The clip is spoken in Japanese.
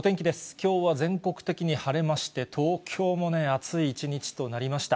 きょうは全国的に晴れまして、東京もね、暑い一日となりました。